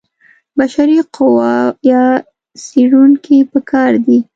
بشري قوه یا څېړونکي په کار دي.